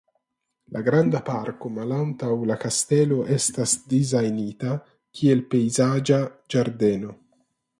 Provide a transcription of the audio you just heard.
La granda parko malantaŭ la kastelo estas dizajnita kiel pejzaĝa ĝardeno.